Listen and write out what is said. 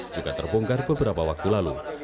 juga terbongkar beberapa waktu lalu